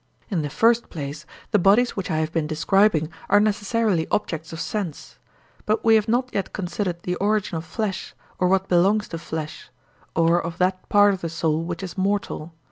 In the first place, the bodies which I have been describing are necessarily objects of sense. But we have not yet considered the origin of flesh, or what belongs to flesh, or of that part of the soul which is mortal.